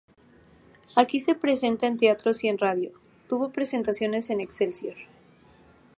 Aquí se presenta en teatros y en radio, tuvo presentaciones en Excelsior.